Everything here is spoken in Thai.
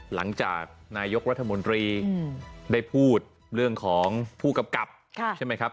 หลังจากนายกรัฐมนตรีได้พูดเรื่องของผู้กำกับใช่ไหมครับ